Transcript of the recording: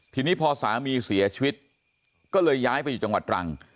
ทีนี้พอสามีเสียชีวิตก็เลยย้ายไปอยู่จังหวัดตรัง